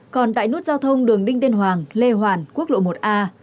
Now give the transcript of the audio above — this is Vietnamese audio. còn tại nút giao thông đường đinh tiên hoàng lê hoàn quốc lộ một a